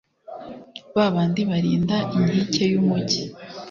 babandi barinda inkike y'umugi